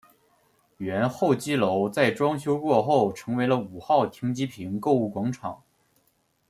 原候机楼在装修过后成为了五号停机坪购物广场。